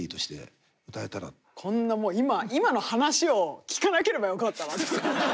今の話を聞かなければよかったなって。